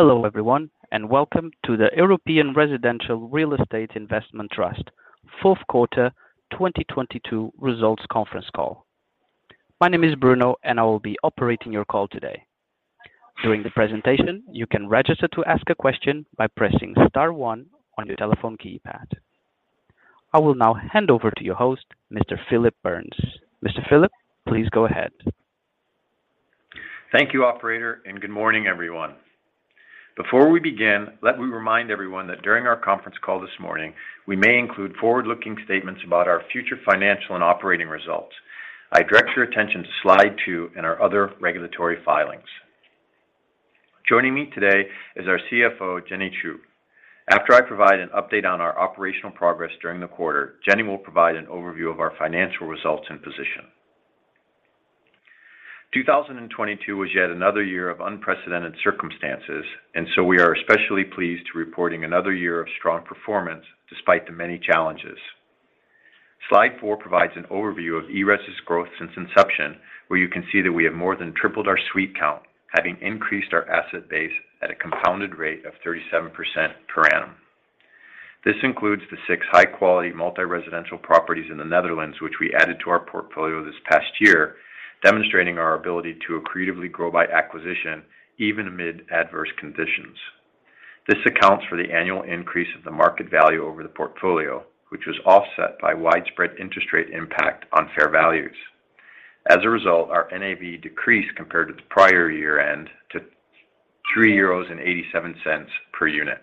Hello everyone, welcome to the European Residential Real Estate Investment Trust fourth quarter 2022 results conference call. My name is Bruno, I will be operating your call today. During the presentation, you can register to ask a question by pressing star one on your telephone keypad. I will now hand over to your host, Mr. Phillip Burns. Mr. Phillip, please go ahead. Thank you, Operator, and good morning everyone. Before we begin, let me remind everyone that during our conference call this morning, we may include forward-looking statements about our future financial and operating results. I direct your attention to slide 2 in our other regulatory filings. Joining me today is our CFO, Jenny Chou. After I provide an update on our operational progress during the quarter, Jenny will provide an overview of our financial results and position. 2022 was yet another year of unprecedented circumstances, and so we are especially pleased to reporting another year of strong performance despite the many challenges. Slide 4 provides an overview of ERES's growth since inception, where you can see that we have more than tripled our suite count, having increased our asset base at a compounded rate of 37% per annum. This includes the six high-quality multi-residential properties in the Netherlands, which we added to our portfolio this past year, demonstrating our ability to accretively grow by acquisition even amid adverse conditions. This accounts for the annual increase of the market value over the portfolio, which was offset by widespread interest rate impact on fair values. As a result, our NAV decreased compared to the prior year-end to EUR 3.87 per unit.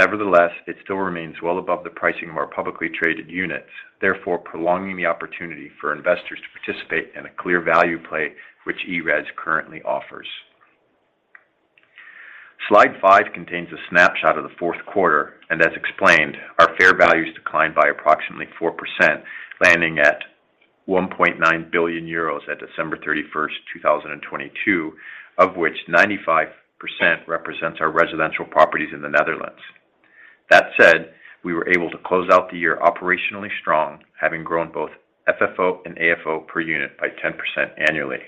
Nevertheless, it still remains well above the pricing of our publicly traded units, therefore prolonging the opportunity for investors to participate in a clear value play which ERES currently offers. Slide 5 contains a snapshot of the fourth quarter. As explained, our fair values declined by approximately 4%, landing at 1.9 billion euros at December 31st, 2022, of which 95% represents our residential properties in the Netherlands. That said, we were able to close out the year operationally strong, having grown both FFO and AFFO per unit by 10% annually.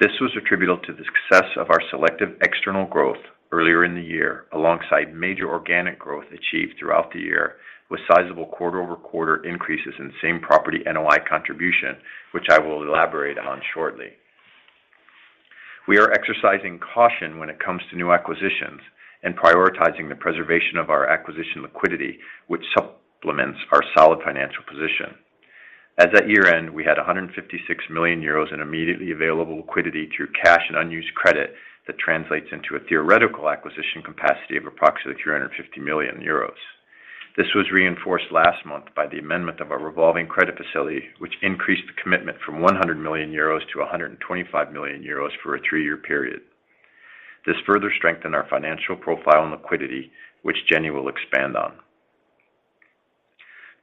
This was attributable to the success of our selective external growth earlier in the year, alongside major organic growth achieved throughout the year, with sizable quarter-over-quarter increases in same property NOI contribution, which I will elaborate on shortly. We are exercising caution when it comes to new acquisitions and prioritizing the preservation of our acquisition liquidity, which supplements our solid financial position. As at year-end, we had 156 million euros in immediately available liquidity through cash and unused credit that translates into a theoretical acquisition capacity of approximately 350 million euros. This was reinforced last month by the amendment of our revolving credit facility, which increased the commitment from 100 million-125 million euros for a three-year period. This further strengthened our financial profile and liquidity, which Jenny will expand on.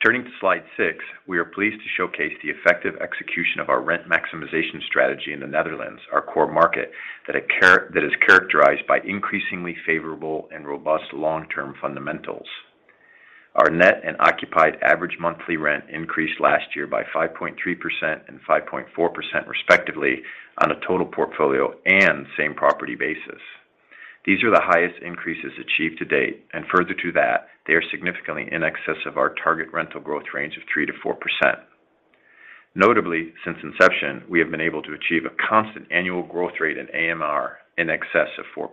Turning to slide 6, we are pleased to showcase the effective execution of our rent maximization strategy in the Netherlands, our core market, that is characterized by increasingly favorable and robust long-term fundamentals. Our net and occupied average monthly rent increased last year by 5.3% and 5.4% respectively on a total portfolio and same property basis. These are the highest increases achieved to date, and further to that, they are significantly in excess of our target rental growth range of 3%-4%. Notably, since inception, we have been able to achieve a constant annual growth rate in AMR in excess of 4%.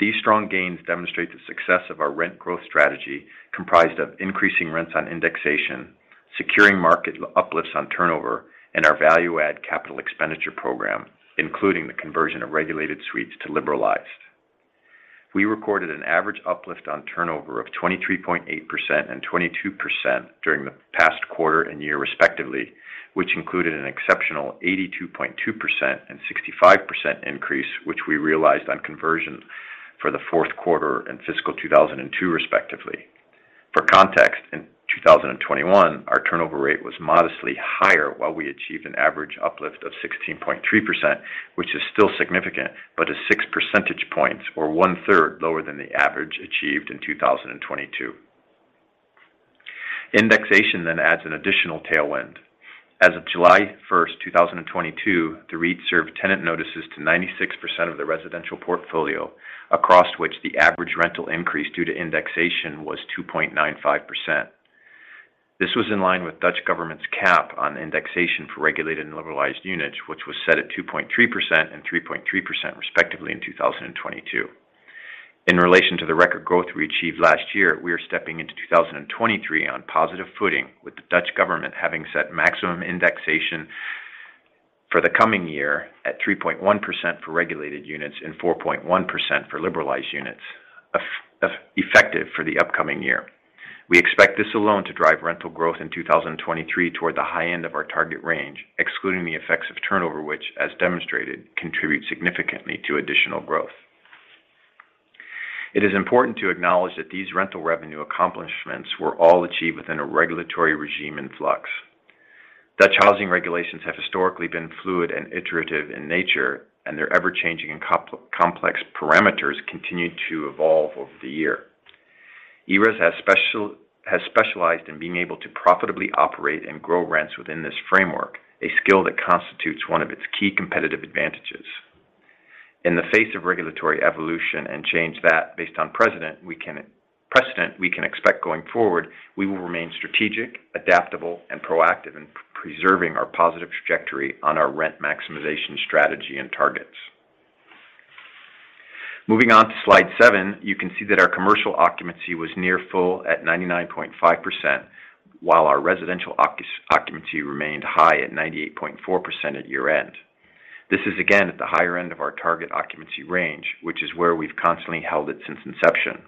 These strong gains demonstrate the success of our rent growth strategy, comprised of increasing rents on indexation, securing market uplifts on turnover, and our value add capital expenditure program, including the conversion of regulated suites to liberalized. We recorded an average uplift on turnover of 23.8% and 22% during the past quarter and year respectively, which included an exceptional 82.2% and 65% increase, which we realized on conversion for the fourth quarter and fiscal 2022 respectively. For context, in 2021, our turnover rate was modestly higher while we achieved an average uplift of 16.3%, which is still significant, but is 6 percentage points or 1/3 lower than the average achieved in 2022. Indexation adds an additional tailwind. As of July 1st, 2022, the REIT served tenant notices to 96% of the residential portfolio, across which the average rental increase due to indexation was 2.95%. This was in line with Dutch government's cap on indexation for regulated and liberalized units, which was set at 2.3% and 3.3% respectively in 2022. In relation to the record growth we achieved last year, we are stepping into 2023 on positive footing with the Dutch government having set maximum indexation for the coming year at 3.1% for regulated units and 4.1% for liberalized units effective for the upcoming year. We expect this alone to drive rental growth in 2023 toward the high end of our target range, excluding the effects of turnover, which, as demonstrated, contribute significantly to additional growth. It is important to acknowledge that these rental revenue accomplishments were all achieved within a regulatory regime in flux. Dutch housing regulations have historically been fluid and iterative in nature. Their ever-changing and complex parameters continued to evolve over the year. ERES has specialized in being able to profitably operate and grow rents within this framework, a skill that constitutes one of its key competitive advantages. In the face of regulatory evolution and change that based on precedent we can expect going forward, we will remain strategic, adaptable, and proactive in preserving our positive trajectory on our rent maximization strategy and targets. Moving on to slide 7, you can see that our commercial occupancy was near full at 99.5%, while our residential occupancy remained high at 98.4% at year-end. This is again at the higher end of our target occupancy range, which is where we've constantly held it since inception.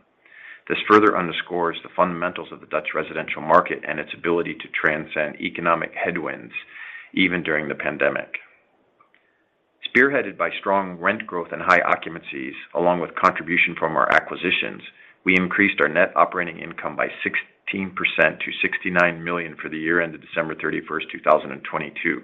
This further underscores the fundamentals of the Dutch residential market and its ability to transcend economic headwinds even during the pandemic. Spearheaded by strong rent growth and high occupancies, along with contribution from our acquisitions, we increased our net operating income by 16% to 69 million for the year ended December 31st, 2022.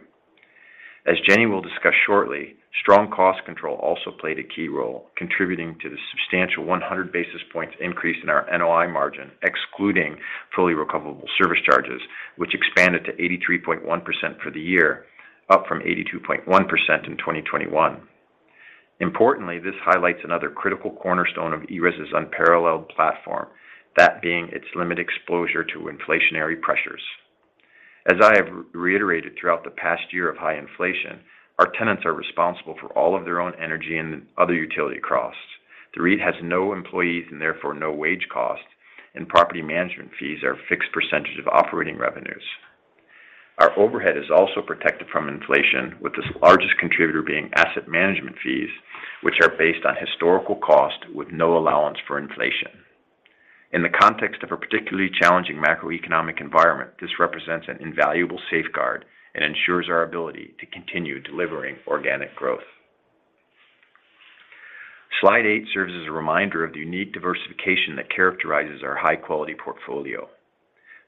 As Jenny will discuss shortly, strong cost control also played a key role, contributing to the substantial 100 basis points increase in our NOI margin, excluding fully recoverable service charges, which expanded to 83.1% for the year, up from 82.1% in 2021. Importantly, this highlights another critical cornerstone of ERES' unparalleled platform, that being its limited exposure to inflationary pressures. As I have reiterated throughout the past year of high inflation, our tenants are responsible for all of their own energy and other utility costs. The REIT has no employees, and therefore no wage costs, and property management fees are a fixed percentage of operating revenues. Our overhead is also protected from inflation, with the largest contributor being asset management fees, which are based on historical cost with no allowance for inflation. In the context of a particularly challenging macroeconomic environment, this represents an invaluable safeguard and ensures our ability to continue delivering organic growth. Slide eight serves as a reminder of the unique diversification that characterizes our high-quality portfolio.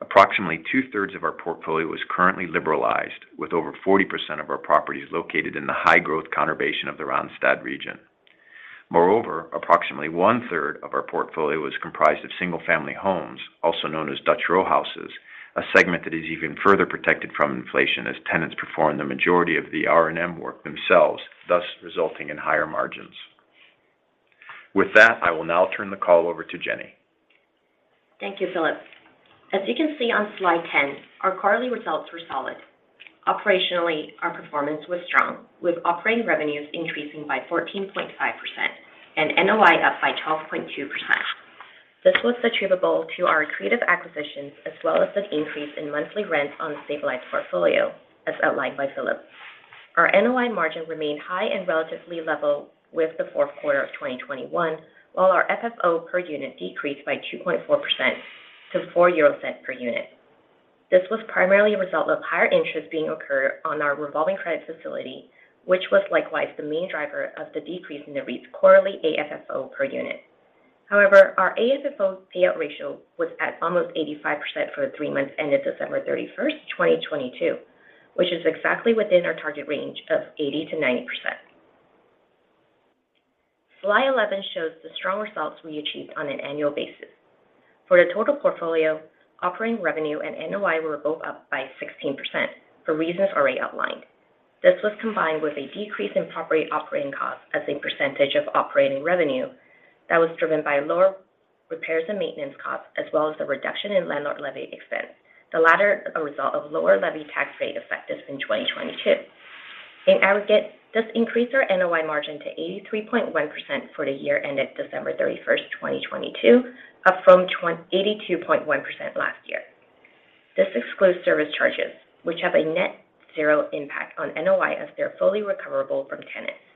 Approximately two-thirds of our portfolio is currently liberalized, with over 40% of our properties located in the high-growth conurbation of the Randstad region. Approximately 1/3 of our portfolio is comprised of single-family homes, also known as Dutch row houses, a segment that is even further protected from inflation as tenants perform the majority of the R&M work themselves, thus resulting in higher margins. With that, I will now turn the call over to Jenny. Thank you, Phillip. As you can see on slide 10, our quarterly results were solid. Operationally, our performance was strong, with operating revenues increasing by 14.5% and NOI up by 12.2%. This was attributable to our accretive acquisitions as well as an increase in monthly rent on the stabilized portfolio, as outlined by Phillip. Our NOI margin remained high and relatively level with the fourth quarter of 2021, while our FFO per unit decreased by 2.4% to 0.04 per unit. This was primarily a result of higher interest being accrued on our revolving credit facility, which was likewise the main driver of the decrease in the REIT's quarterly AFFO per unit. However, our AFFO payout ratio was at almost 85% for the three months ended December 31st, 2022, which is exactly within our target range of 80%-90%. Slide 11 shows the strong results we achieved on an annual basis. For the total portfolio, operating revenue and NOI were both up by 16% for reasons already outlined. This was combined with a decrease in property operating costs as a percentage of operating revenue that was driven by lower repairs and maintenance costs, as well as the reduction in landlord levy expense, the latter a result of lower levy tax rate effective in 2022. In aggregate, this increased our NOI margin to 83.1% for the year ended December 31st, 2022, up from 82.1% last year. This excludes service charges, which have a net zero impact on NOI as they're fully recoverable from tenants.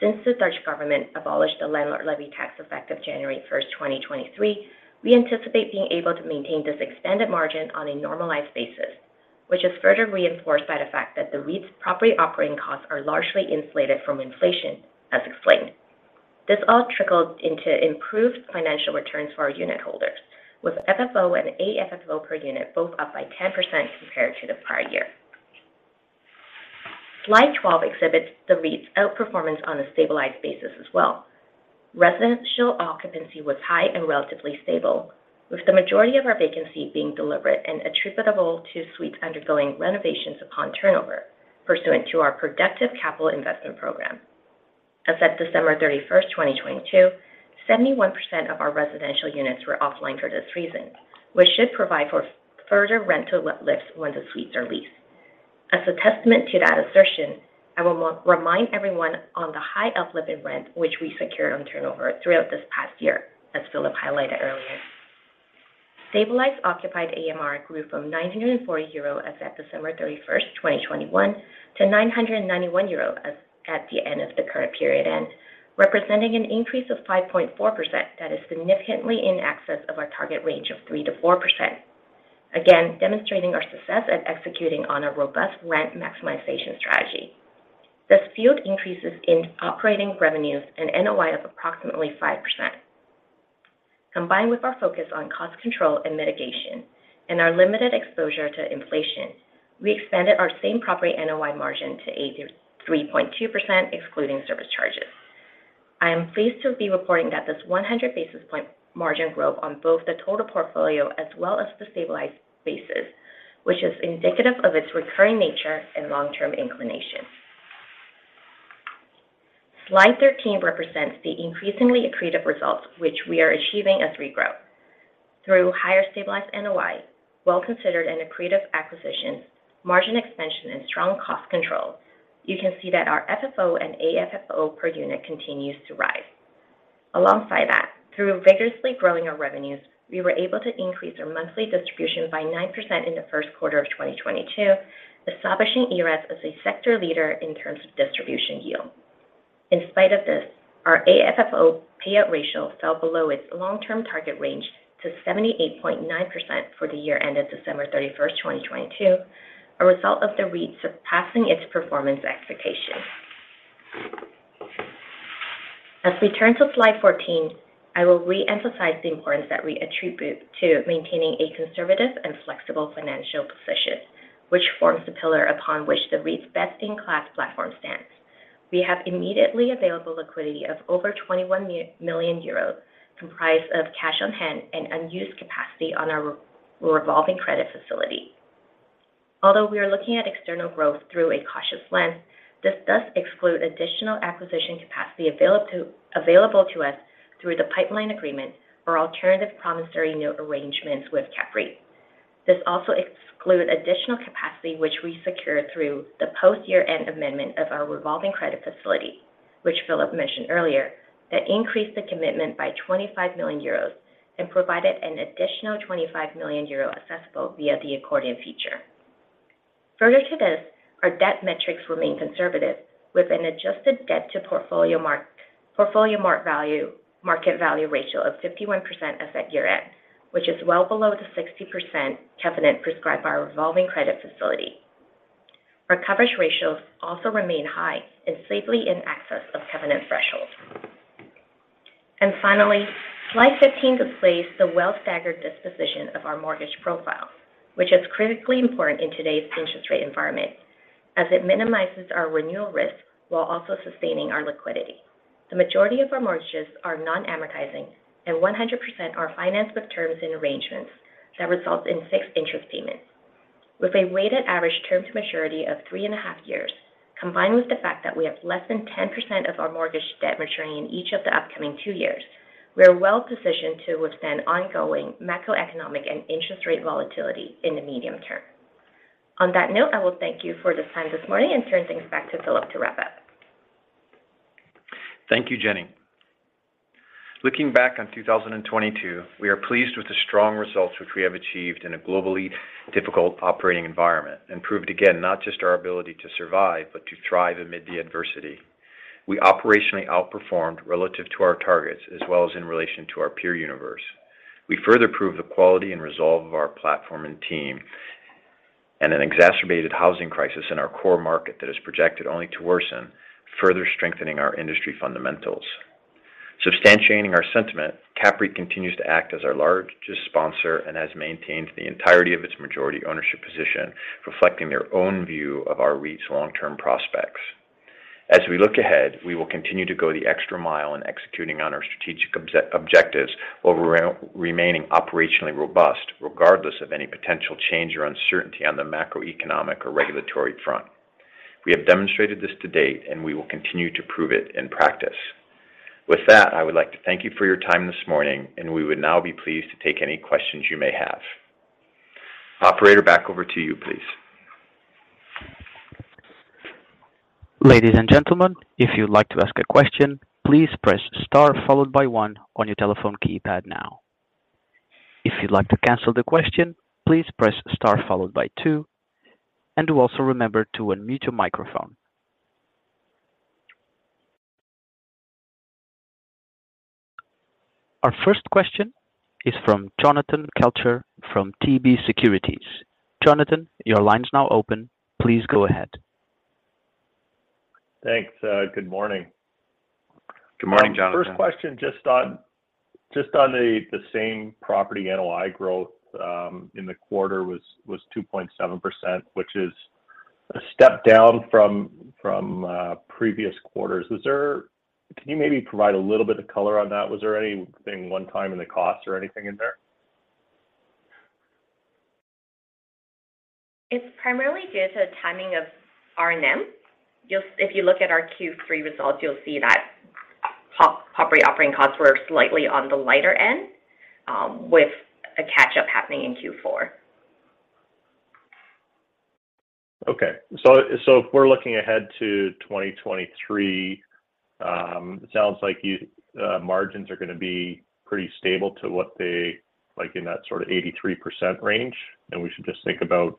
Since the Dutch government abolished the landlord levy effective January 1st, 2023, we anticipate being able to maintain this expanded margin on a normalized basis, which is further reinforced by the fact that the REIT's property operating costs are largely insulated from inflation, as explained. This all trickled into improved financial returns for our unit holders, with FFO and AFFO per unit both up by 10% compared to the prior year. Slide 12 exhibits the REIT's outperformance on a stabilized basis as well. Residential occupancy was high and relatively stable, with the majority of our vacancy being deliberate and attributable to suites undergoing renovations upon turnover pursuant to our productive capital investment program. As at December 31st, 2022, 71% of our residential units were offline for this reason, which should provide for further rental lifts when the suites are leased. As a testament to that assertion, I will remind everyone on the high uplift in rent which we secured on turnover throughout this past year, as Phillip highlighted earlier. Stabilized occupied AMR grew from 904 euro as at December 31st, 2021, to 991 euro as at the end of the current period end, representing an increase of 5.4% that is significantly in excess of our target range of 3%-4%. Again, demonstrating our success at executing on a robust rent maximization strategy. This fueled increases in operating revenues and NOI of approximately 5%. Combined with our focus on cost control and mitigation and our limited exposure to inflation. We expanded our same property NOI margin to 83.2% excluding service charges. I am pleased to be reporting that this 100 basis point margin growth on both the total portfolio as well as the stabilized basis, which is indicative of its recurring nature and long-term inclination. Slide 13 represents the increasingly accretive results which we are achieving as we grow. Through higher stabilized NOI, well-considered and accretive acquisitions, margin expansion and strong cost control, you can see that our FFO and AFFO per unit continues to rise. Alongside that, through vigorously growing our revenues, we were able to increase our monthly distribution by 9% in the first quarter of 2022, establishing ERES as a sector leader in terms of distribution yield. In spite of this, our AFFO payout ratio fell below its long-term target range to 78.9% for the year ended December 31st, 2022, a result of the REIT surpassing its performance expectations. As we turn to slide 14, I will re-emphasize the importance that we attribute to maintaining a conservative and flexible financial position, which forms the pillar upon which the REIT's best-in-class platform stands. We have immediately available liquidity of over 21 million euros, comprised of cash on hand and unused capacity on our revolving credit facility. Although we are looking at external growth through a cautious lens, this does exclude additional acquisition capacity available to us through the pipeline agreement or alternative promissory note arrangements with CAPREIT. This also exclude additional capacity which we secured through the post-year-end amendment of our revolving credit facility, which Phillip mentioned earlier, that increased the commitment by 25 million euros and provided an additional 25 million euro accessible via the accordion feature. Further to this, our debt metrics remain conservative, with an adjusted debt to portfolio mark, portfolio mark value, market value ratio of 51% as at year-end, which is well below the 60% covenant prescribed by our revolving credit facility. Our coverage ratios also remain high and safely in excess of covenant thresholds. Finally, slide 15 displays the well staggered disposition of our mortgage profile, which is critically important in today's interest rate environment, as it minimizes our renewal risk while also sustaining our liquidity. The majority of our mortgages are non-amortizing, and 100% are financed with terms and arrangements that result in fixed interest payments. With a weighted average term to maturity of 3.5 years, combined with the fact that we have less than 10% of our mortgage debt maturing in each of the upcoming two years, we are well-positioned to withstand ongoing macroeconomic and interest rate volatility in the medium term. On that note, I will thank you for the time this morning and turn things back to Phillip to wrap up. Thank you, Jenny. Looking back on 2022, we are pleased with the strong results which we have achieved in a globally difficult operating environment, proved again not just our ability to survive, but to thrive amid the adversity. We operationally outperformed relative to our targets as well as in relation to our peer universe. We further proved the quality and resolve of our platform and team in an exacerbated housing crisis in our core market that is projected only to worsen, further strengthening our industry fundamentals. Substantiating our sentiment, CAPREIT continues to act as our largest sponsor and has maintained the entirety of its majority ownership position, reflecting their own view of our REIT's long-term prospects. As we look ahead, we will continue to go the extra mile in executing on our strategic objectives while remaining operationally robust regardless of any potential change or uncertainty on the macroeconomic or regulatory front. We have demonstrated this to date. We will continue to prove it in practice. I would like to thank you for your time this morning. We would now be pleased to take any questions you may have. Operator, back over to you, please. Ladies and gentlemen, if you'd like to ask a question, please press star followed by one on your telephone keypad now. If you'd like to cancel the question, please press star followed by two, do also remember to unmute your microphone. Our first question is from Jonathan Kelcher from TD Securities. Jonathan, your line's now open. Please go ahead. Thanks. Good morning. Good morning, Jonathan. First question just on the same property NOI growth in the quarter was 2.7%, which is a step down from previous quarters. Can you maybe provide a little bit of color on that? Was there anything one-time in the cost or anything in there? It's primarily due to the timing of R&M. If you look at our Q3 results, you'll see that op-property operating costs were slightly on the lighter end, with a catch-up happening in Q4. If we're looking ahead to 2023, it sounds like you, margins are gonna be pretty stable to what they like in that sort of 83% range, and we should just think about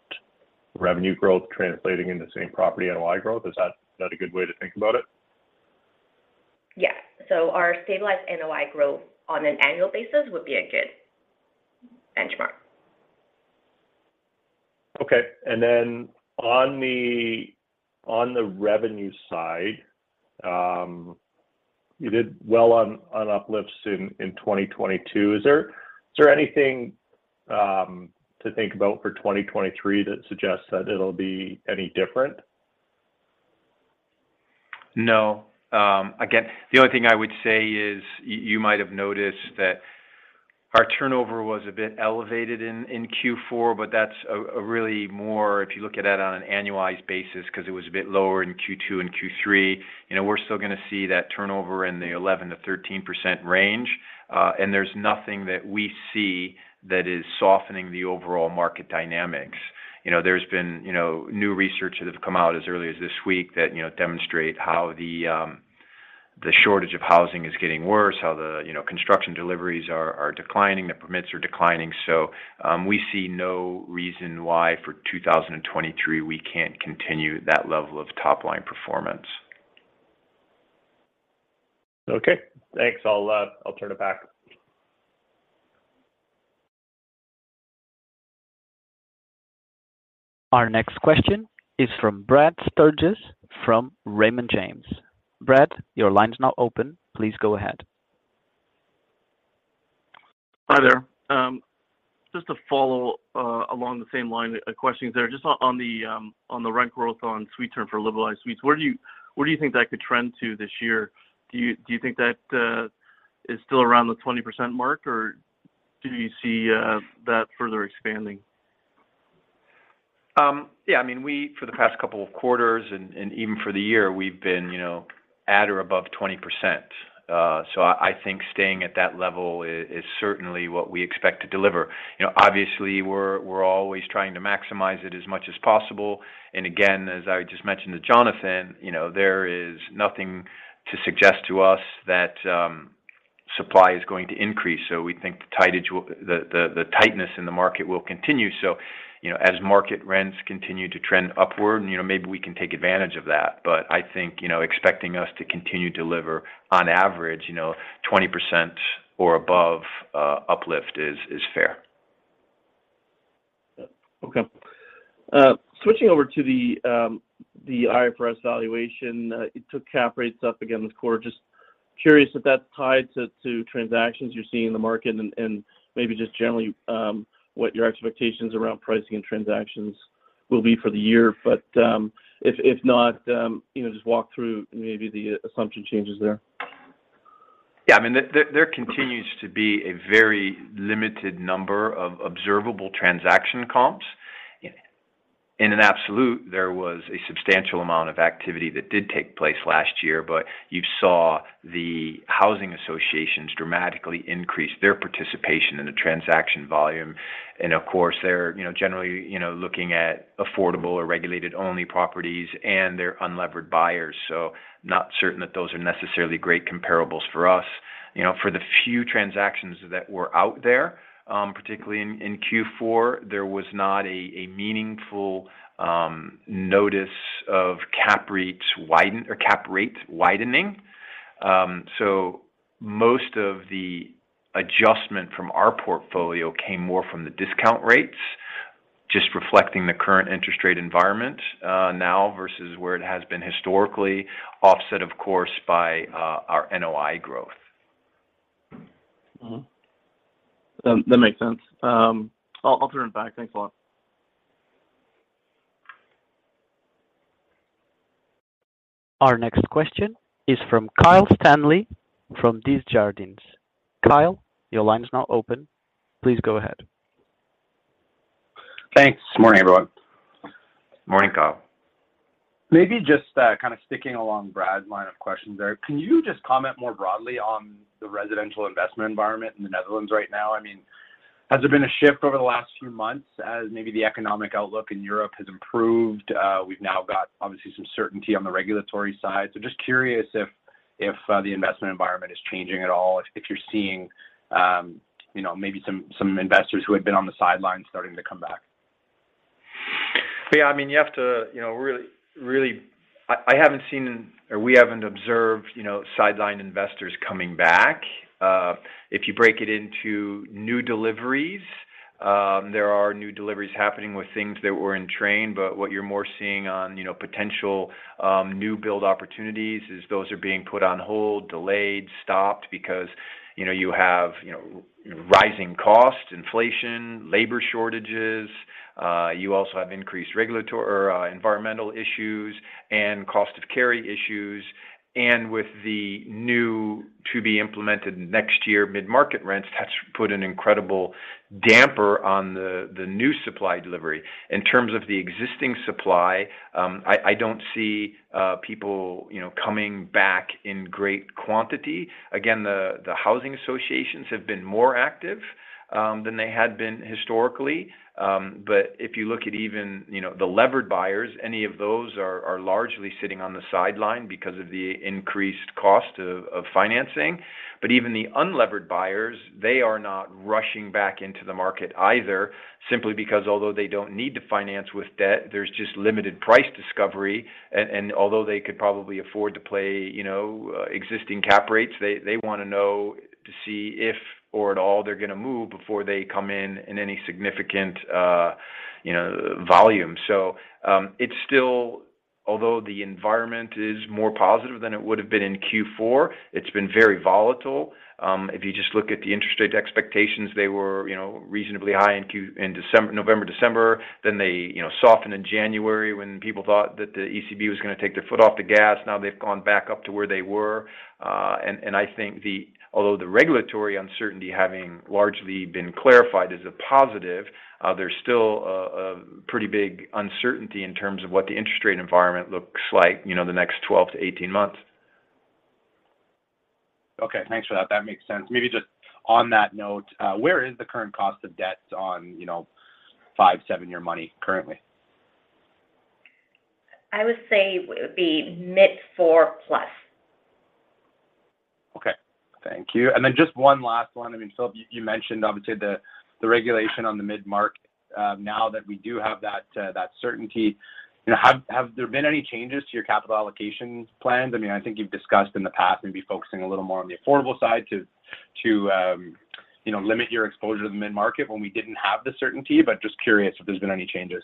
revenue growth translating into same property NOI growth. Is that a good way to think about it? Yeah. Our stabilized NOI growth on an annual basis would be a good benchmark. Okay. On the, on the revenue side, You did well on uplifts in 2022. Is there anything to think about for 2023 that suggests that it'll be any different? No. Again, the only thing I would say is you might have noticed that our turnover was a bit elevated in Q4, but that's a really more if you look at that on an annualized basis 'cause it was a bit lower in Q2 and Q3. You know, we're still gonna see that turnover in the 11%-13% range. There's nothing that we see that is softening the overall market dynamics. You know, there's been, you know, new research that have come out as early as this week that, you know, demonstrate how the shortage of housing is getting worse, how the, you know, construction deliveries are declining, the permits are declining. We see no reason why for 2023 we can't continue that level of top-line performance. Okay. Thanks. I'll turn it back. Our next question is from Brad Sturges from Raymond James. Brad, your line is now open. Please go ahead. Hi there. Just to follow along the same line of questioning there. Just on the rent growth on suite term for liberalized suites, where do you think that could trend to this year? Do you think that is still around the 20% mark, or do you see that further expanding? Yeah, I mean, we for the past couple of quarters and even for the year, we've been, you know, at or above 20%. I think staying at that level is certainly what we expect to deliver. You know, obviously we're always trying to maximize it as much as possible, and again, as I just mentioned to Jonathan, you know, there is nothing to suggest to us that supply is going to increase. We think the tightness in the market will continue. As market rents continue to trend upward, and, you know, maybe we can take advantage of that. I think, you know, expecting us to continue to deliver on average, you know, 20% or above uplift is fair. Okay. Switching over to the IFRS valuation. It took cap rates up again this quarter. Just curious if that's tied to transactions you're seeing in the market and maybe just generally what your expectations around pricing and transactions will be for the year. If not, you know, just walk through maybe the assumption changes there. Yeah, I mean, there continues to be a very limited number of observable transaction comps. In an absolute, there was a substantial amount of activity that did take place last year, you saw the housing associations dramatically increase their participation in the transaction volume. Of course, they're, you know, generally, you know, looking at affordable or regulated only properties and their unlevered buyers. Not certain that those are necessarily great comparables for us. You know, for the few transactions that were out there, particularly in Q4, there was not a meaningful notice of cap rate widening. Most of the adjustment from our portfolio came more from the discount rates, just reflecting the current interest rate environment, now versus where it has been historically, offset of course, by our NOI growth. That makes sense. I'll turn it back. Thanks a lot. Our next question is from Kyle Stanley from Desjardins. Kyle, your line is now open. Please go ahead. Thanks. Morning, everyone. Morning, Kyle. Maybe just, kind of sticking along Brad's line of questions there. Can you just comment more broadly on the residential investment environment in the Netherlands right now? I mean, has there been a shift over the last few months as maybe the economic outlook in Europe has improved? We've now got obviously some certainty on the regulatory side. Just curious if the investment environment is changing at all, if you're seeing, you know, maybe some investors who had been on the sidelines starting to come back? Yeah, I mean, you have to, you know, really. I haven't seen or we haven't observed, you know, sideline investors coming back. If you break it into new deliveries, there are new deliveries happening with things that were in train, but what you're more seeing on, you know, potential new build opportunities is those are being put on hold, delayed, stopped because, you know, you have, you know, rising costs, inflation, labor shortages. You also have increased regulatory or environmental issues and cost of carry issues. With the new to be implemented next year mid-market rents, that's put an incredible damper on the new supply delivery. In terms of the existing supply, I don't see people, you know, coming back in great quantity. Again, the housing associations have been more active than they had been historically. If you look at even, you know, the levered buyers, any of those are largely sitting on the sideline because of the increased cost of financing. Even the unlevered buyers, they are not rushing back into the market either, simply because although they don't need to finance with debt, there's just limited price discovery. Although they could probably afford to play, you know, existing cap rates, they wanna know to see if or at all they're gonna move before they come in in any significant, you know, volume. It's stillAlthough the environment is more positive than it would've been in Q4, it's been very volatile. If you just look at the interest rate expectations, they were, you know, reasonably high in Q-- in December-- November, December. They, you know, softened in January when people thought that the ECB was gonna take their foot off the gas. Now they've gone back up to where they were. I think the, Although the regulatory uncertainty having largely been clarified as a positive, there's still a pretty big uncertainty in terms of what the interest rate environment looks like, you know, the next 12-18 months. Thanks for that. That makes sense. Maybe just on that note, where is the current cost of debt on, you know, 5, 7 year money currently? I would say it would be mid-4+. Okay. Thank you. Just one last one. I mean, Phillip, you mentioned obviously the regulation on the mid-market. Now that we do have that certainty, you know, have there been any changes to your capital allocation plans? I mean, I think you've discussed in the past maybe focusing a little more on the affordable side to, you know, limit your exposure to the mid-market when we didn't have the certainty, but just curious if there's been any changes.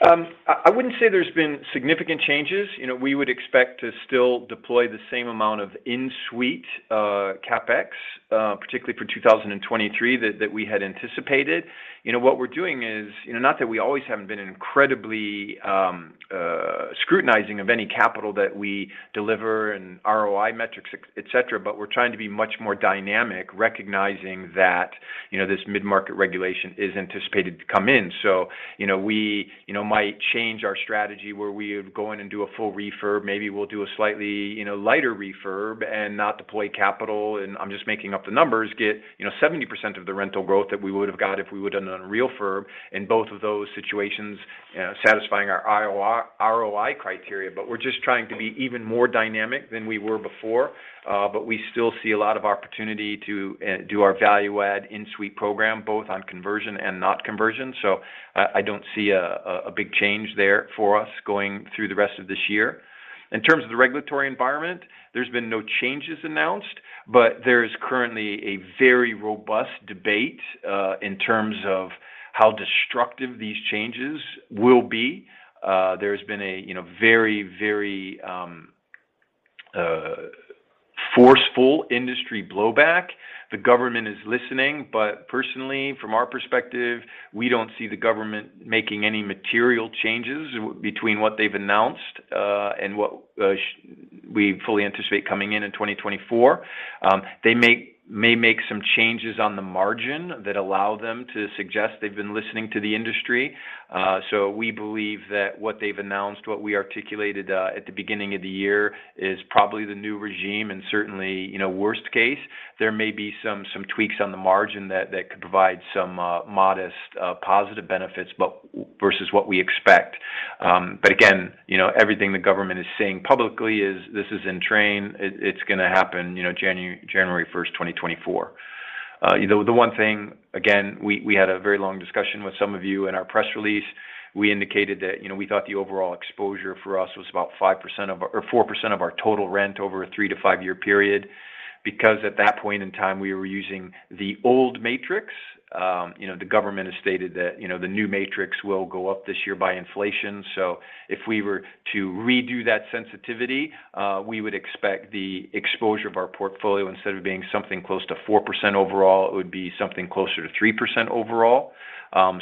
I wouldn't say there's been significant changes. You know, we would expect to still deploy the same amount of in-suite CapEx, particularly for 2023 that we had anticipated. You know, what we're doing is, you know, not that we always haven't been incredibly scrutinizing of any capital that we deliver and ROI metrics, et cetera, but we're trying to be much more dynamic recognizing that, you know, this mid-market regulation is anticipated to come in. You know, we might change our strategy where we would go in and do a full refurb. Maybe we'll do a slightly, you know, lighter refurb and not deploy capital and, I'm just making up the numbers, get, you know, 70% of the rental growth that we would've got if we would've done a refurb in both of those situations, satisfying our ROI criteria. We're just trying to be even more dynamic than we were before. We still see a lot of opportunity to do our value add in-suite program, both on conversion and not conversion. I don't see a big change there for us going through the rest of this year. In terms of the regulatory environment, there's been no changes announced, but there is currently a very robust debate in terms of how destructive these changes will be. There's been a, you know, very, very forceful industry blowback. The government is listening. Personally, from our perspective, we don't see the government making any material changes between what they've announced and what we fully anticipate coming in in 2024. They may make some changes on the margin that allow them to suggest they've been listening to the industry. We believe that what they've announced, what we articulated at the beginning of the year is probably the new regime and certainly, you know, worst case. There may be some tweaks on the margin that could provide some modest positive benefits, versus what we expect. Again, you know, everything the government is saying publicly is this is in train. It's gonna happen, you know, January 1st, 2024. You know, the one thing, again, we had a very long discussion with some of you in our press release. We indicated that, you know, we thought the overall exposure for us was about 5% or 4% of our total rent over a 3-5 year period. At that point in time, we were using the old matrix. You know, the government has stated that, you know, the new matrix will go up this year by inflation. If we were to redo that sensitivity, we would expect the exposure of our portfolio, instead of being something close to 4% overall, it would be something closer to 3% overall,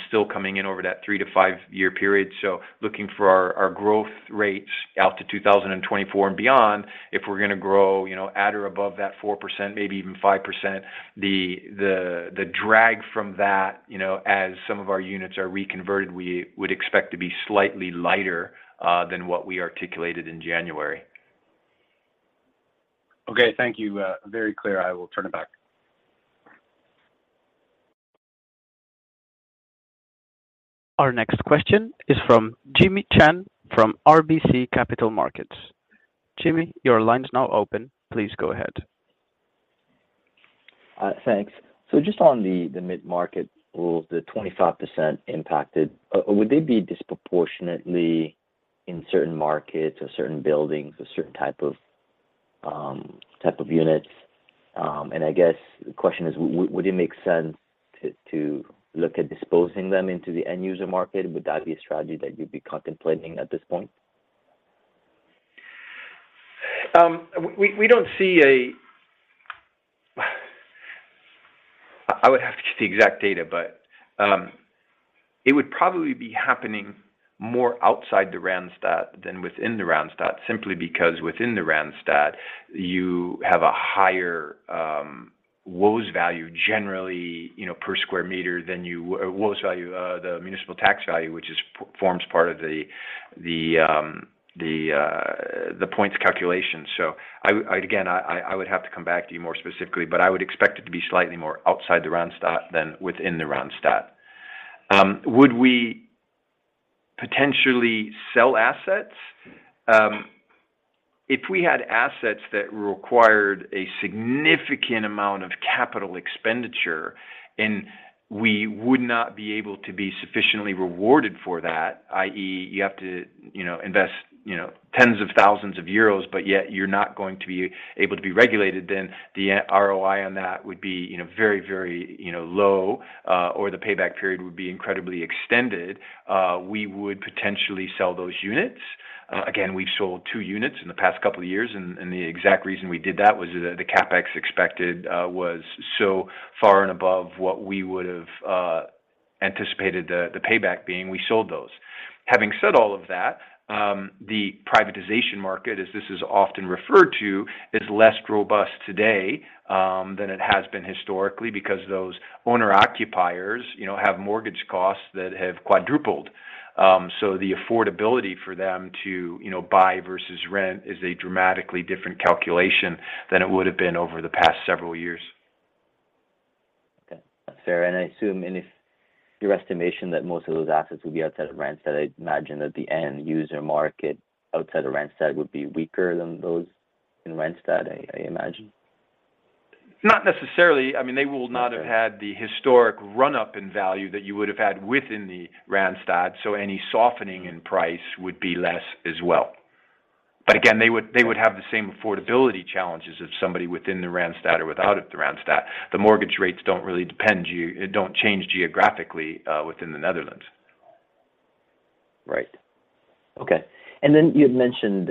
still coming in over that 3-5 year period. So looking for our growth rates out to 2024 and beyond, if we're gonna grow, you know, at or above that 4%, maybe even 5%, the drag from that, you know, as some of our units are reconverted, we would expect to be slightly lighter than what we articulated in January. Okay. Thank you. Very clear. I will turn it back. Our next question is from Jimmy Shan from RBC Capital Markets. Jimmy, your line is now open. Please go ahead. Thanks. Just on the mid-market rules, the 25% impacted, would they be disproportionately in certain markets or certain buildings or certain type of units? I guess the question is, would it make sense to look at disposing them into the end user market? Would that be a strategy that you'd be contemplating at this point? We don't see. I would have to get the exact data, but it would probably be happening more outside the Randstad than within the Randstad, simply because within the Randstad, you have a higher WOZ value generally, you know, per square meter than WOZ value, the municipal tax value, which forms part of the points calculation. Again, I would have to come back to you more specifically, but I would expect it to be slightly more outside the Randstad than within the Randstad. Would we potentially sell assets? If we had assets that required a significant amount of capital expenditure and we would not be able to be sufficiently rewarded for that, i.e., you have to, you know, invest, you know, tens of thousands of euros, but yet you're not going to be able to be regulated, then the ROI on that would be, you know, very, you know, low, or the payback period would be incredibly extended. We would potentially sell those units. Again, we've sold two units in the past couple of years, and the exact reason we did that was the CapEx expected was so far and above what we would've anticipated the payback being. We sold those. Having said all of that, the privatization market, as this is often referred to, is less robust today than it has been historically because those owner/occupiers, you know, have mortgage costs that have quadrupled. So the affordability for them to, you know, buy versus rent is a dramatically different calculation than it would have been over the past several years. Okay. That's fair. I assume, and if your estimation that most of those assets would be outside of Randstad, I'd imagine that the end user market outside of Randstad would be weaker than those in Randstad, I imagine. Not necessarily. I mean, they will not. Okay. Have had the historic run-up in value that you would have had within the Randstad, any softening in price would be less as well. Again, Right. They would have the same affordability challenges of somebody within the Randstad or without of the Randstad. The mortgage rates don't change geographically within the Netherlands. Right. Okay. Then you had mentioned,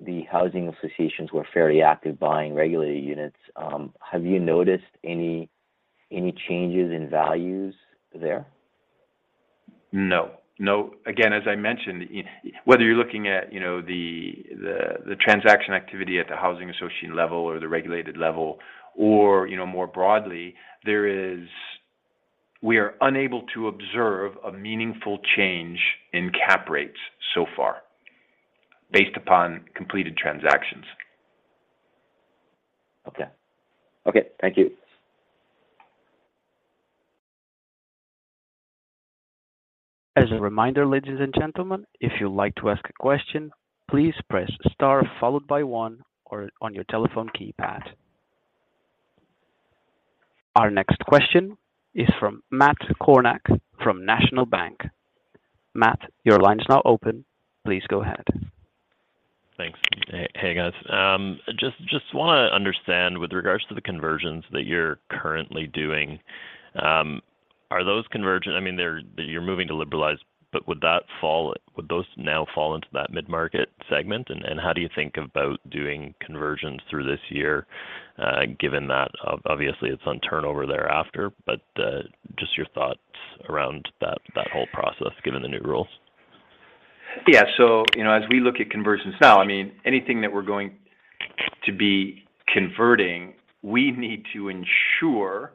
the housing associations were fairly active buying regulated units. Have you noticed any changes in values there? No. No. Again, as I mentioned, whether you're looking at, you know, the transaction activity at the housing association level or the regulated level or, you know, more broadly, we are unable to observe a meaningful change in cap rates so far based upon completed transactions. Okay. Okay, thank you. As a reminder, ladies and gentlemen, if you'd like to ask a question, please press star followed by one or on your telephone keypad. Our next question is from Matt Kornack from National Bank. Matt, your line is now open. Please go ahead. Thanks. Hey guys. Just wanna understand with regards to the conversions that you're currently doing, are those conversions? I mean, you're moving to liberalize, but would those now fall into that mid-market segment? How do you think about doing conversions through this year, given that obviously it's on turnover thereafter, but just your thoughts around that whole process given the new rules. Yeah. You know, as we look at conversions now, I mean, anything that we're going to be converting, we need to ensure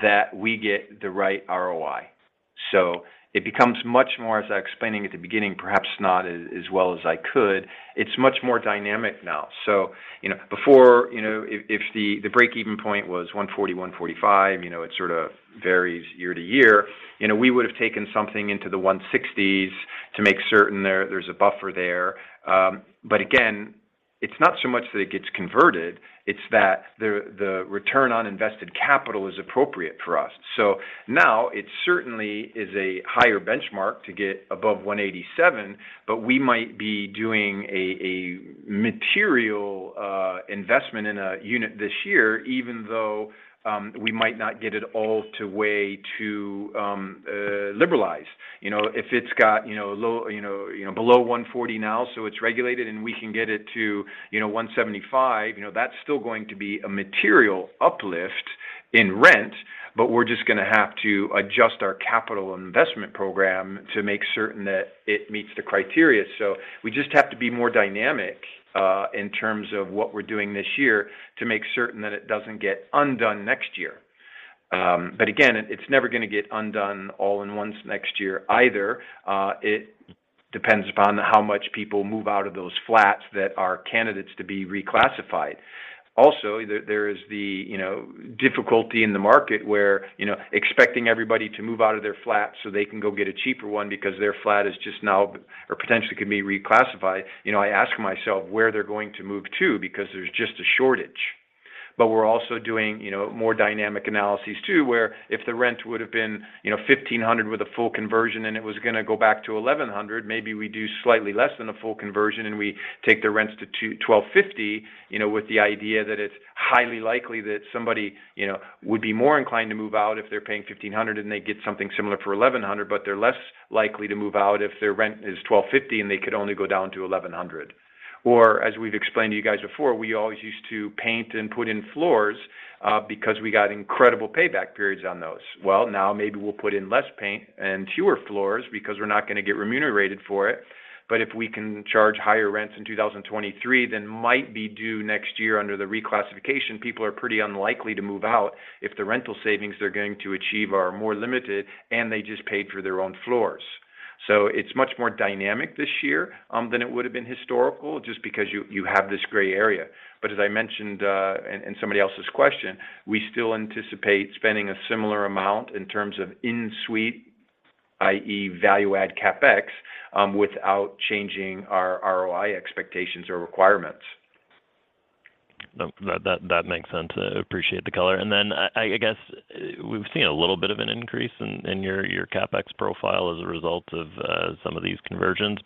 that we get the right ROI. It becomes much more, as I was explaining at the beginning, perhaps not as well as I could, it's much more dynamic now. You know, before, you know, if the break-even point was 140, 145, you know, it sort of varies year to year. You know, we would have taken something into the 160s to make certain there's a buffer there. But again, it's not so much that it gets converted, it's that the return on invested capital is appropriate for us. Now it certainly is a higher benchmark to get above 187, but we might be doing a material investment in a unit this year even though we might not get it all to way to liberalize. You know, if it's got, you know, below 140 now, so it's regulated and we can get it to, you know, 175, you know, that's still going to be a material uplift in rent, but we're just gonna have to adjust our capital investment program to make certain that it meets the criteria. We just have to be more dynamic in terms of what we're doing this year to make certain that it doesn't get undone next year. Again, it's never gonna get undone all at once next year either. It depends upon how much people move out of those flats that are candidates to be reclassified. There is the, you know, difficulty in the market where, you know, expecting everybody to move out of their flat so they can go get a cheaper one because their flat is just now or potentially could be reclassified. You know, I ask myself where they're going to move to because there's just a shortage. We're also doing, you know, more dynamic analyses too, where if the rent would have been, you know, 1,500 with a full conversion and it was gonna go back to 1,100, maybe we do slightly less than a full conversion and we take the rents to 1,250, you know, with the idea that it's highly likely that somebody, you know, would be more inclined to move out if they're paying 1,500 and they get something similar for 1,100. They're less likely to move out if their rent is 1,250 and they could only go down to 1,100. As we've explained to you guys before, we always used to paint and put in floors, because we got incredible payback periods on those. Now maybe we'll put in less paint and fewer floors because we're not gonna get remunerated for it. But if we can charge higher rents in 2023 than might be due next year under the reclassification, people are pretty unlikely to move out if the rental savings they're going to achieve are more limited and they just paid for their own floors. So it's much more dynamic this year than it would have been historical just because you have this gray area. But as I mentioned, in somebody else's question, we still anticipate spending a similar amount in terms of in-suite, i.e. value add CapEx without changing our ROI expectations or requirements. No, that makes sense. I appreciate the color. Then I guess we've seen a little bit of an increase in your CapEx profile as a result of some of these conversions.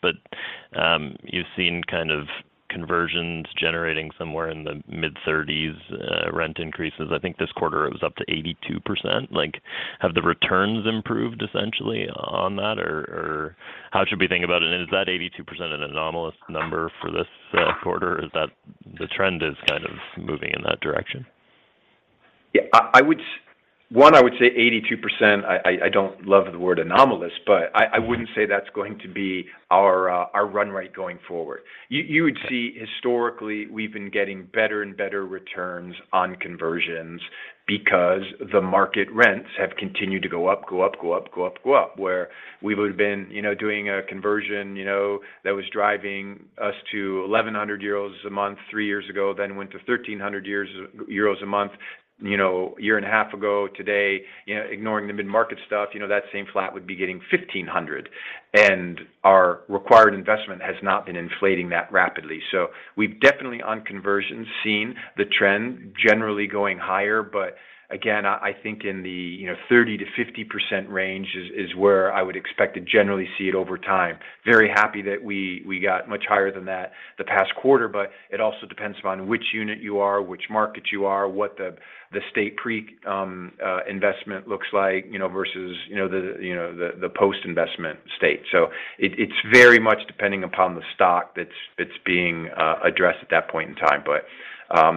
You've seen kind of conversions generating somewhere in the mid-30s rent increases. I think this quarter it was up to 82%. Like, have the returns improved essentially on that? How should we think about it? Is that 82% an anomalous number for this quarter? Is that. The trend is kind of moving in that direction. Yeah. I would say 82%, I don't love the word anomalous, but I wouldn't say that's going to be our run rate going forward. You would see historically we've been getting better and better returns on conversions because the market rents have continued to go up, go up, go up, go up, go up, where we would've been, you know, doing a conversion, you know, that was driving us to 1,100 euros a month three years ago, then went to 1,300 euros a month, you know, a year and a half ago. Today, you know, ignoring the mid-market stuff, you know, that same flat would be getting 1,500. Our required investment has not been inflating that rapidly. We've definitely, on conversions, seen the trend generally going higher. Again, I think in the, you know, 30%-50% range is where I would expect to generally see it over time. Very happy that we got much higher than that the past quarter, but it also depends upon which unit you are, which market you are, what the state pre-investment looks like, you know, versus, you know, the post-investment state. It's very much depending upon the stock that's being addressed at that point in time.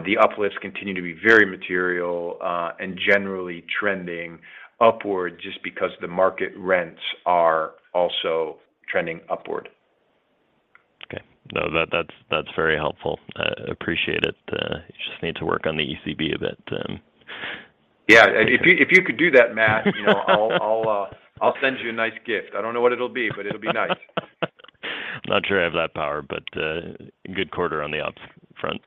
The uplifts continue to be very material and generally trending upward just because the market rents are also trending upward. Okay. No, that's very helpful. Appreciate it. You just need to work on the ECB a bit. Yeah. If you could do that, Matt, you know, I'll send you a nice gift. I don't know what it'll be, but it'll be nice. Not sure I have that power, but good quarter on the ops front.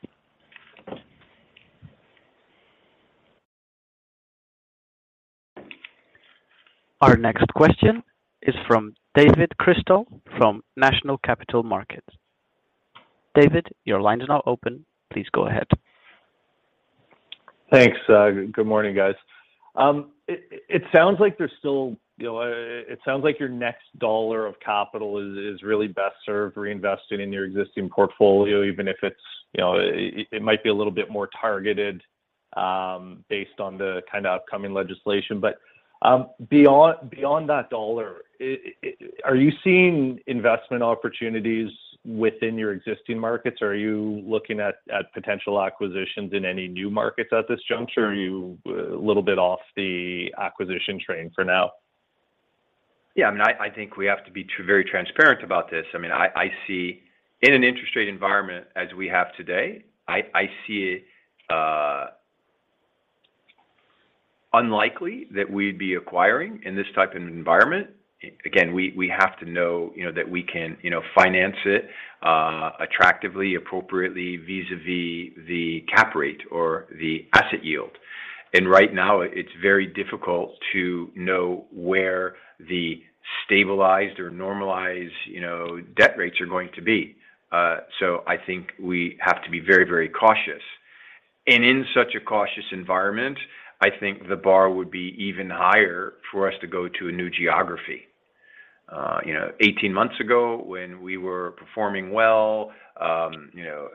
Our next question is from David Przystal from National Capital Markets. David, your line is now open. Please go ahead. Thanks. Good morning, guys. It sounds like there's still, you know... It sounds like your next dollar of capital is really best served reinvested in your existing portfolio, even if it's, you know... It might be a little bit more targeted, based on the kind of upcoming legislation. Beyond that dollar, are you seeing investment opportunities within your existing markets? Are you looking at potential acquisitions in any new markets at this juncture? Are you a little bit off the acquisition train for now? Yeah. I mean, I think we have to be very transparent about this. I mean, I see... In an interest rate environment as we have today, I see it unlikely that we'd be acquiring in this type of environment. Again, we have to know, you know, that we can, you know, finance it attractively, appropriately vis-a-vis the cap rate or the asset yield. Right now it's very difficult to know where the stabilized or normalized, you know, debt rates are going to be. I think we have to be very, very cautious. In such a cautious environment, I think the bar would be even higher for us to go to a new geography. You know, 18 months ago when we were performing well, you know,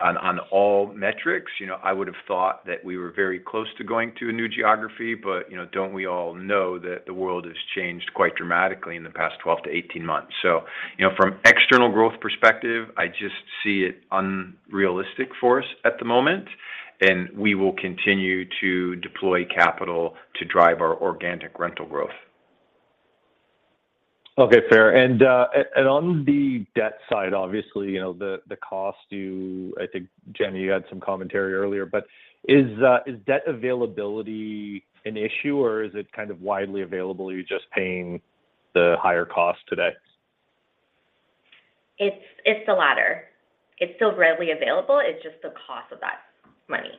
on all metrics, you know, I would have thought that we were very close to going to a new geography. You know, don't we all know that the world has changed quite dramatically in the past 12-18 months. You know, from external growth perspective, I just see it unrealistic for us at the moment, and we will continue to deploy capital to drive our organic rental growth. Okay. Fair. On the debt side, obviously, you know, the cost. I think, Jenny, you had some commentary earlier. Is debt availability an issue or is it kind of widely available, you're just paying the higher cost today? It's the latter. It's still readily available. It's just the cost of that money.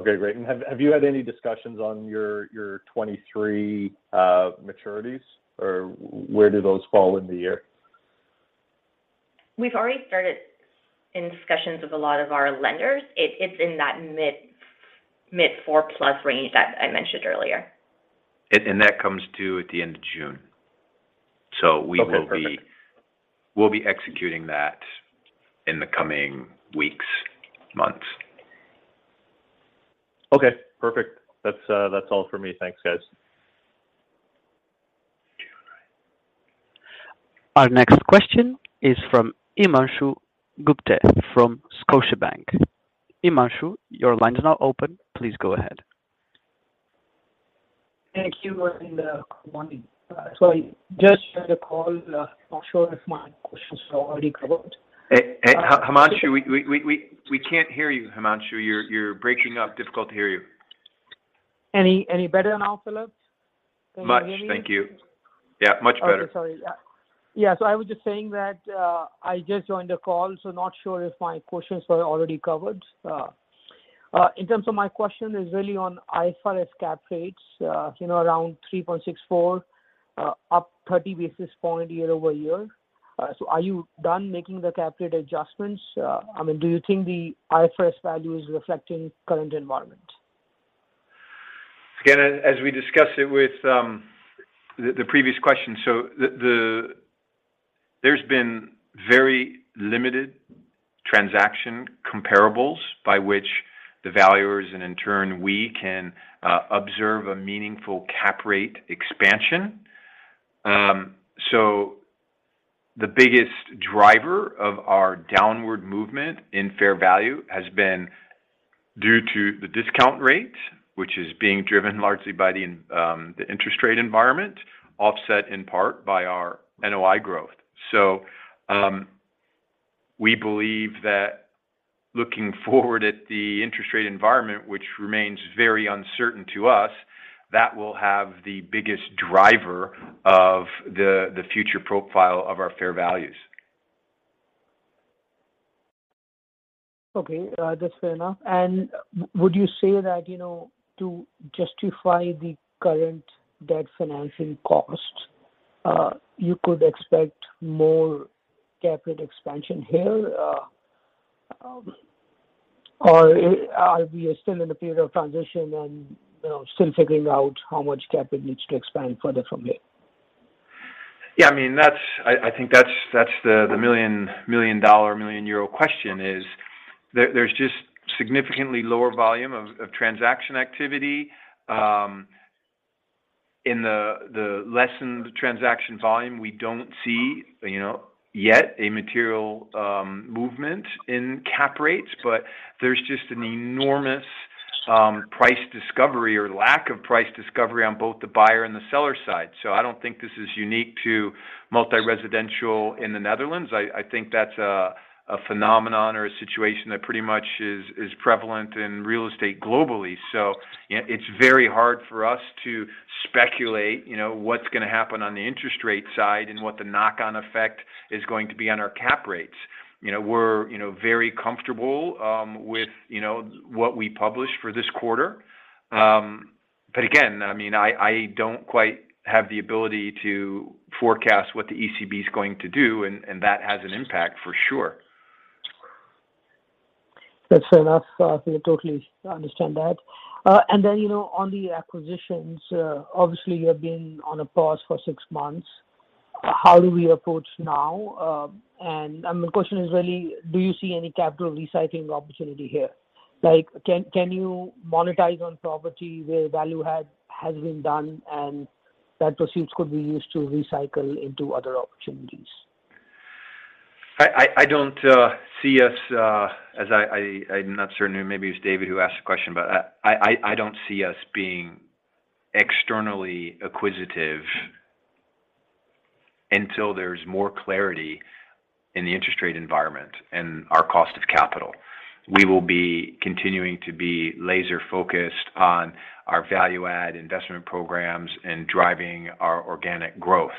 Okay. Great. Have you had any discussions on your 2023 maturities? Where do those fall in the year? We've already started in discussions with a lot of our lenders. It's in that mid 4+ range that I mentioned earlier. That comes due at the end of June. Okay. Perfect. We'll be executing that in the coming weeks, months. Okay. Perfect. That's, that's all for me. Thanks, guys. Our next question is from Himanshu Gupta from Scotiabank. Himanshu, your line is now open. Please go ahead. Thank you. Good morning. I just joined the call, not sure if my questions are already covered. Hey, Himanshu, we can't hear you, Himanshu. You're breaking up. Difficult to hear you. Any better now, Phillip? Much. Thank you. Can you hear me? Yeah, much better. Okay. Sorry. Yeah. Yeah. I was just saying that, I just joined the call, so not sure if my questions were already covered. In terms of my question is really on IFRS cap rates, you know, around 3.64, up 30 basis points year-over-year. Are you done making the cap rate adjustments? I mean, do you think the IFRS value is reflecting current environment? Again, as we discussed it with the previous question. There's been very limited transaction comparables by which the valuers and in turn we can observe a meaningful cap rate expansion. The biggest driver of our downward movement in fair value has been due to the discount rate, which is being driven largely by the interest rate environment, offset in part by our NOI growth. We believe that looking forward at the interest rate environment, which remains very uncertain to us, that will have the biggest driver of the future profile of our fair values. Okay, that's fair enough. Would you say that, you know, to justify the current debt financing costs, you could expect more capital expansion here, or are we still in a period of transition and, you know, still figuring out how much capital needs to expand further from here? I mean, I think that's the million-euro question, there's just significantly lower volume of transaction activity. In the lessened transaction volume, we don't see, you know, yet a material movement in cap rates. There's just an enormous price discovery or lack of price discovery on both the buyer and the seller side. I don't think this is unique to multi-residential in the Netherlands. I think that's a phenomenon or a situation that pretty much is prevalent in real estate globally. It's very hard for us to speculate, you know, what's gonna happen on the interest rate side and what the knock-on effect is going to be on our cap rates. You know, we're very comfortable with, you know, what we published for this quarter. Again, I mean, I don't quite have the ability to forecast what the ECB is going to do, and that has an impact for sure. That's fair enough. We totally understand that. You know, on the acquisitions, obviously you have been on a pause for six months. How do we approach now? The question is really do you see any capital recycling opportunity here? Like, can you monetize on property where value add has been done and that proceeds could be used to recycle into other opportunities? I don't see us as I'm not certain, maybe it's David who asked the question, but I don't see us being externally acquisitive until there's more clarity in the interest rate environment and our cost of capital. We will be continuing to be laser-focused on our value add investment programs and driving our organic growth.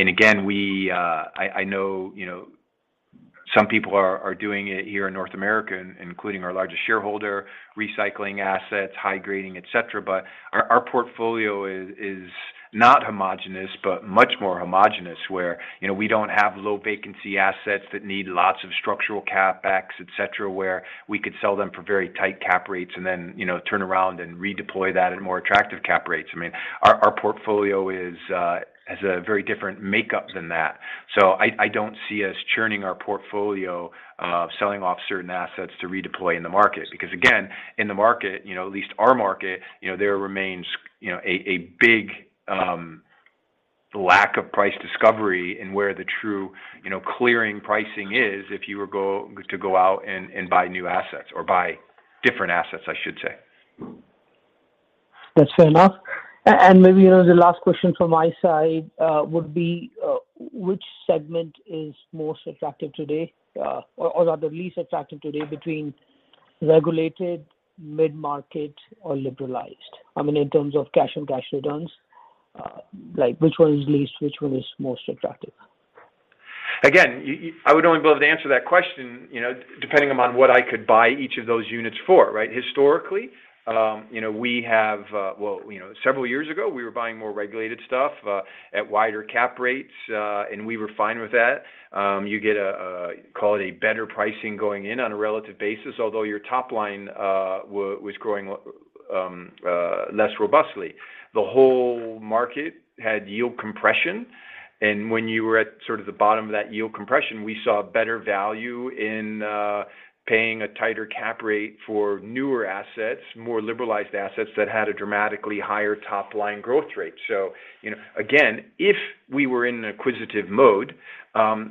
Again, we, I know, you know, some people are doing it here in North America, including our largest shareholder, recycling assets, high grading, et cetera. Our portfolio is not homogenous but much more homogenous where, you know, we don't have low vacancy assets that need lots of structural CapEx, et cetera, where we could sell them for very tight cap rates and then, you know, turn around and redeploy that at more attractive cap rates. I mean, our portfolio is has a very different makeup than that. I don't see us churning our portfolio, selling off certain assets to redeploy in the market. Again, in the market, you know, at least our market, you know, there remains, you know, a big lack of price discovery in where the true, you know, clearing pricing is if you were to go out and buy new assets or buy different assets, I should say. That's fair enough. Maybe, you know, the last question from my side, would be, which segment is most attractive today, or rather least attractive today between regulated mid-market or liberalized? I mean, in terms of cash and cash returns, like which one is least, which one is most attractive? I would only be able to answer that question, you know, depending upon what I could buy each of those units for, right? Historically, you know, Well, you know, several years ago we were buying more regulated stuff at wider cap rates, and we were fine with that. You get a call it a better pricing going in on a relative basis, although your top line was growing less robustly. The whole market had yield compression, and when you were at sort of the bottom of that yield compression, we saw better value in paying a tighter cap rate for newer assets, more liberalized assets that had a dramatically higher top-line growth rate. You know, again, if we were in an acquisitive mode,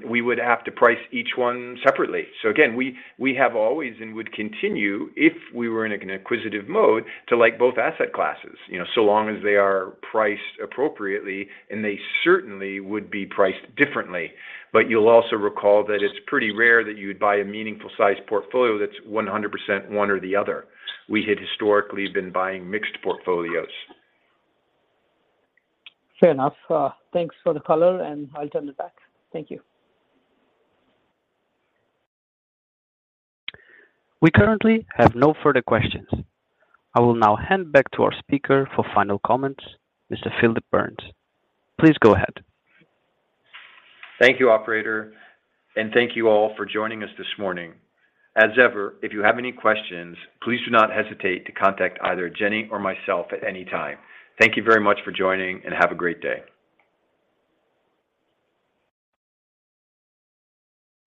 we would have to price each one separately. Again, we have always and would continue if we were in an acquisitive mode to like both asset classes, you know, so long as they are priced appropriately, and they certainly would be priced differently. You'll also recall that it's pretty rare that you'd buy a meaningful size portfolio that's 100% one or the other. We had historically been buying mixed portfolios. Fair enough. Thanks for the color, I'll turn it back. Thank you. We currently have no further questions. I will now hand back to our speaker for final comments, Mr. Phillip Burns. Please go ahead. Thank you, operator, and thank you all for joining us this morning. As ever, if you have any questions, please do not hesitate to contact either Jenny or myself at any time. Thank you very much for joining, and have a great day.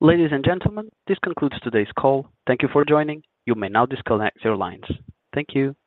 Ladies and gentlemen, this concludes today's call. Thank you for joining. You may now disconnect your lines. Thank you.